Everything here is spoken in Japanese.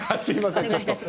すいません。